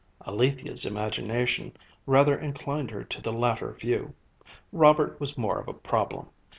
Alethia's imagination rather inclined her to the latter view. Robert was more of a problem.